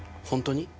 本当に？